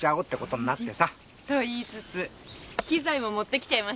と言いつつ機材も持ってきちゃいましたけど。